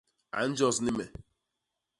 A njos ni me?